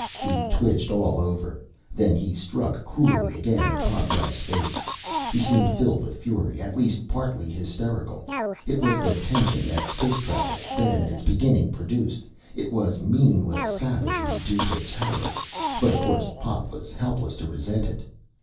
He twitched all over. Then he struck cruelly again at Pop Young's face. He seemed filled with fury, at least partly hysterical. It was the tension that space travel then, at its beginning produced. It was meaningless savagery due to terror. But, of course, Pop was helpless to resent it.